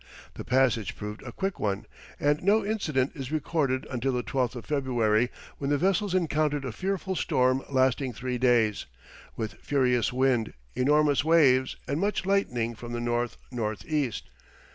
The passage proved a quick one, and no incident is recorded until the 12th of February, when the vessels encountered a fearful storm lasting three days, with furious wind, enormous waves, and much lightning from the north north east.